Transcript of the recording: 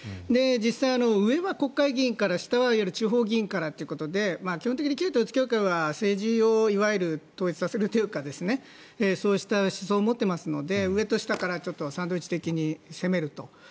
実際に上は国会議員から下はいわゆる地方議員からということで基本的に旧統一教会は政治をいわゆる統一させるというかそうした思想を持っていますので上と下からサンドイッチ的に攻めると。